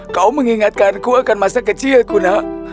kau mengingatkanku akan masa kecilku nak